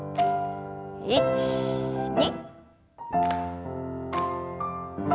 １２。